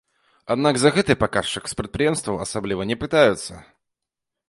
Аднак за гэты паказчык з прадпрыемстваў асабліва не пытаюцца.